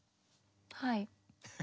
はい。